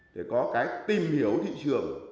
để có cái tìm hiểu thị trường